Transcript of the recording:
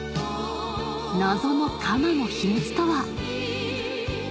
⁉謎の鎌の秘密とは？